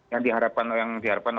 yang diharapkan oleh masyarakat gitu